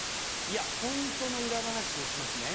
ホントの裏話をしますね。